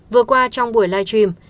vừa qua trong buổi live stream